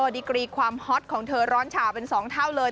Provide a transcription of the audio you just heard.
ดีกรีความฮอตของเธอร้อนฉ่าเป็น๒เท่าเลย